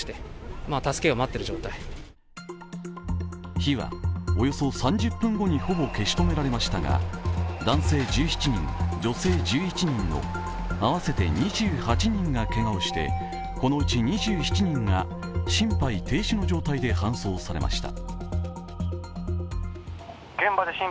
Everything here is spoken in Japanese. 火はおよそ３０分後にほぼ消し止められましたが男性１７人、女性１１人の合わせて２８人がけがをしてこのうち２７人が心肺停止の状態で搬送されました。